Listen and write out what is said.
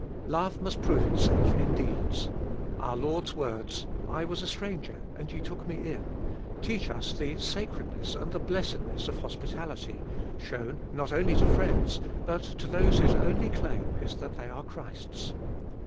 Love must prove itself Cbe iboliest of Sill 519 in deeds. Our Lord's words : I was a stranger, and ye took Me in, teach us the sacredness and the blessedness of hospitality, shown not only to friends, but to those whose only claim is that they are Christ's.